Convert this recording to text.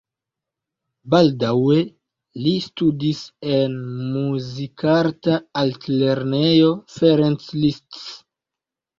Baldaŭe li studis en Muzikarta Altlernejo Ferenc Liszt.